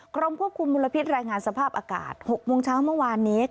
กรมควบคุมมลพิษรายงานสภาพอากาศ๖โมงเช้าเมื่อวานนี้